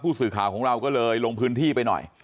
สื่อข่าวของเราก็เลยลงพื้นที่ไปหน่อย